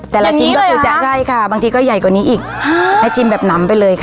แต่ละชิ้นก็คือจะใช่ค่ะบางทีก็ใหญ่กว่านี้อีกให้ชิมแบบหนำไปเลยค่ะ